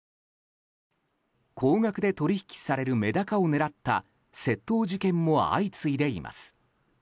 高額で取引されるメダカを狙った窃盗事件も相次いでいます。